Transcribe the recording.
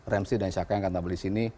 ramsey dan xhaka yang akan tampil disini